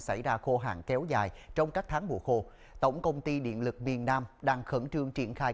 xảy ra khô hạn kéo dài trong các tháng mùa khô tổng công ty điện lực miền nam đang khẩn trương triển khai